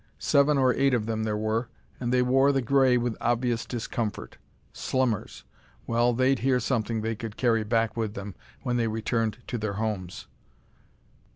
Seven or eight of them there were, and they wore the gray with obvious discomfort. Slummers! Well, they'd hear something they could carry back with them when they returned to their homes!